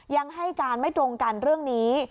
ยังให้การไม่ตรงกันเรื่องนี้